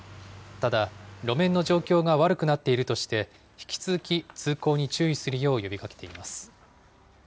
ただ、路面の状況が悪くなっているとして、引き続き通行に注意するよう呼びかけています。